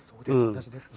同じですね。